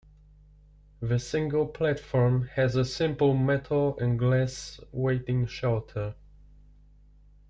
The single platform has a simple metal and glass waiting shelter.